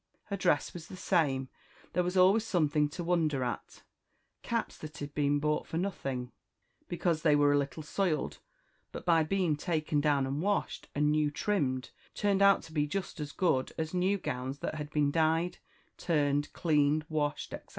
Her dress was the same; there was always something to wonder at; caps that had been bought for nothing, because they were a little soiled, but by being taken down and washed, and new trimmed, turned out to be just as good as new gowns that had been dyed, turned, cleaned, washed, etc.